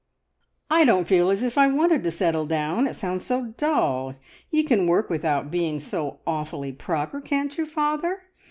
"I don't feel as if I wanted to `settle down.' It sounds so dull! Ye can work without being so awfully proper, can't you, father?